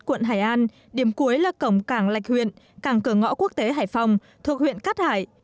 quận hải an điểm cuối là cổng cảng lạch huyện cảng cửa ngõ quốc tế hải phòng thuộc huyện cát hải